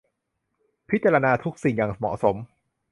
พิจารณาทุกสิ่งอย่างเหมาะสม